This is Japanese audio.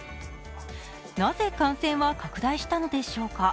なぜ感染は拡大したのでしょうか。